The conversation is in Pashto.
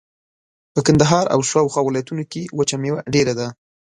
په کندهار او شاوخوا ولایتونو کښې وچه مېوه ډېره ده.